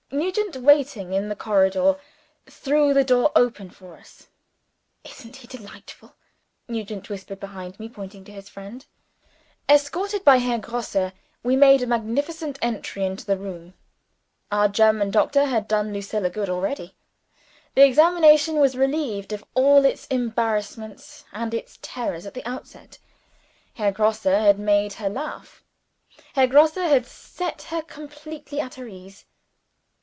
Nugent, waiting in the corridor, threw the door open for us. "Isn't he delightful?" Nugent whispered behind me, pointing to his friend. Escorted by Herr Grosse, we made a magnificent entry into the room. Our German doctor had done Lucilla good already. The examination was relieved of all its embarrassments and its terrors at the outset. Herr Grosse had made her laugh Herr Grosse had set her completely at her ease.